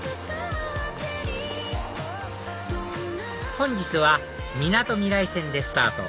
本日はみなとみらい線でスタート